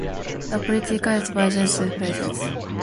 The pilot is directed by Jesse Peretz.